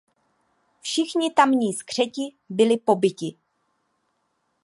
Všichni tamní skřeti byli pobiti.